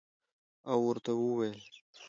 او ورته ووېل